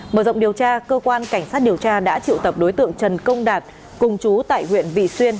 mở rộng điều tra cơ quan cảnh sát điều tra đã triệu tập đối tượng trần công đạt cùng chú tại huyện vị xuyên